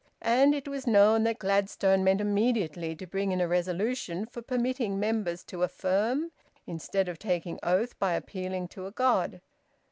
And it was known that Gladstone meant immediately to bring in a resolution for permitting members to affirm, instead of taking oath by appealing to a God.